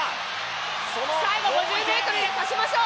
最後５０ｍでさしましょう！